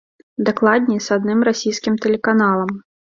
Дакладней, з адным расійскім тэлеканалам.